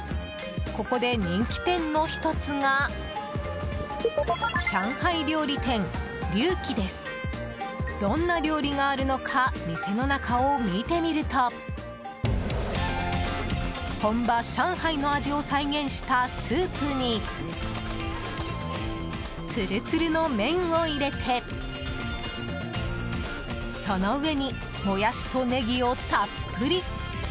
ここで人気店の１つが上海料理店、龍輝ですどんな料理があるのか店の中を見てみると本場上海の味を再現したスープにつるつるの麺を入れてその上にモヤシとネギをたっぷり。